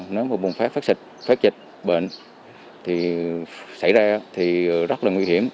nếu mà bùng phát xịt phát dịch bệnh xảy ra thì rất là nguy hiểm